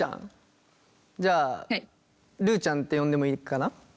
じゃあるちゃんって呼んでもいいかな？